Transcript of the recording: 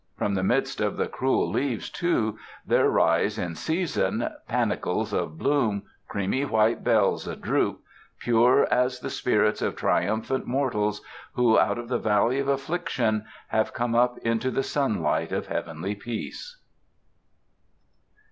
From the midst of the cruel leaves, too, there rise, in season, panicles of bloom, creamy white bells adroop, pure as the spirits of triumphant mortals who, out of the valley of affliction, have come up into the sun light of heavenly peace.